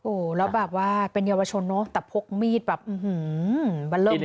โอ้แล้วแบบว่าเป็นเยาวชนเนอะแต่พกมีดแบบอื้อหือ